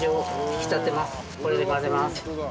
これで混ぜます。